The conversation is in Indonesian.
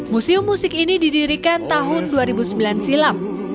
museum musik ini didirikan tahun dua ribu sembilan silam